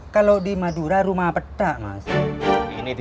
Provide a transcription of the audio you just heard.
kalau di madura rumah petak mas ini di